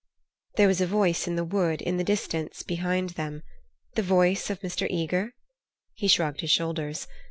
There was a voice in the wood, in the distance behind them. The voice of Mr. Eager? He shrugged his shoulders.